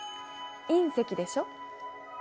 隕石でしょ？